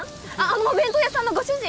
お弁当屋さんのご主人？